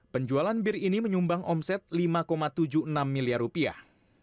penjualan bir ini menyumbang omset lima tujuh puluh enam miliar rupiah